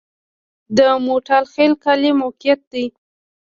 د موټاخیل کلی موقعیت